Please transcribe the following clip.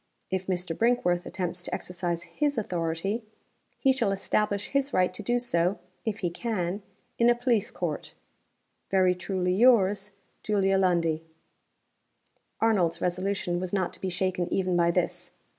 If Mr. Brinkworth attempts to exercise his authority, he shall establish his right to do so (if he can) in a police court. "Very truly yours, JULIA LUNDIE." Arnold's resolution was not to be shaken even by this.